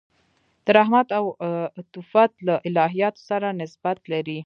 د رحمت او عطوفت له الهیاتو سره نسبت لري.